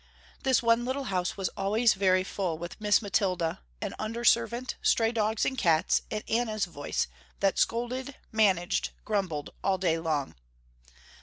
This one little house was always very full with Miss Mathilda, an under servant, stray dogs and cats and Anna's voice that scolded, managed, grumbled all day long.